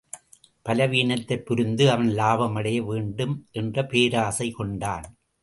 பலவீனத்தைப் புரிந்த அவன் லாபம் அடைய வேண்டும் என்ற பேராசை கொண்டான்.